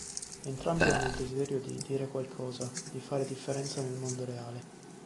Entrambi hanno il desiderio di "dire qualcosa", di fare la differenza nel mondo reale.